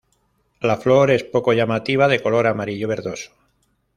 La flor es poco llamativa de color amarillo verdoso.